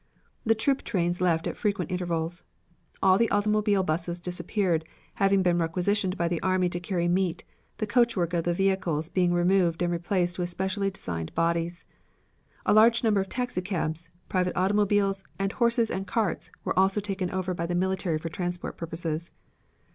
The troop trains left at frequent intervals. All the automobile busses disappeared, having been requisitioned by the army to carry meat, the coachwork of the vehicles being removed and replaced with specially designed bodies. A large number of taxicabs, private automobiles and horses and carts also were taken over by the military for transport purposes.